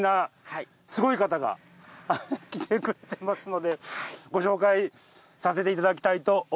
来てくれてますのでご紹介させていただきたいと思います。